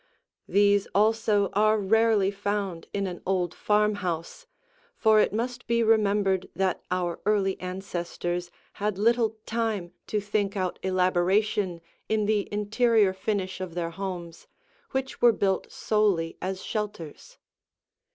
These also are rarely found in an old farmhouse, for it must be remembered that our early ancestors had little time to think out elaboration in the interior finish of their homes which were built solely as shelters.